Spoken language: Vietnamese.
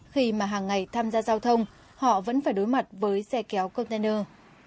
khi mà hàng ngày tham gia giao thông họ vẫn phải đối mặt với xe kéo container